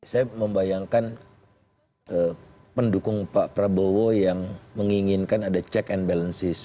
saya membayangkan pendukung pak prabowo yang menginginkan ada check and balances